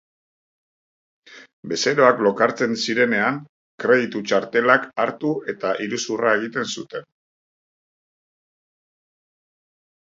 Bezeroak lokartzen zirenean, kreditu txartelak hartu eta iruzurra egiten zuten.